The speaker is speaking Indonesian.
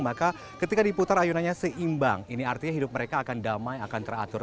maka ketika diputar ayunannya seimbang ini artinya hidup mereka akan damai akan teratur